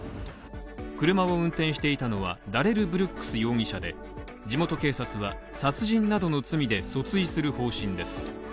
車を運転していたのは、ダレル・ブルックス容疑者で、地元警察は、殺人などの罪で訴追する方針です。